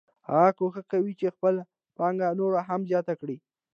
هغه کوښښ کوي چې خپله پانګه نوره هم زیاته کړي